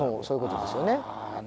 そういうことですよね。